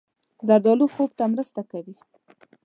زردالو خوب ته مرسته کوي.